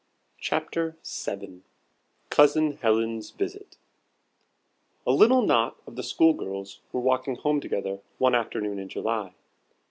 CHAPTER VII COUSIN HELEN'S VISIT A little knot of the school girls were walking home together one afternoon in July.